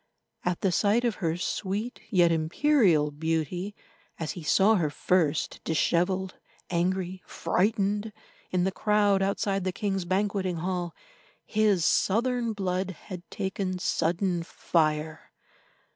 At the sight of her sweet yet imperial beauty, as he saw her first, dishevelled, angry, frightened, in the crowd outside the king's banqueting hall, his southern blood had taken sudden fire.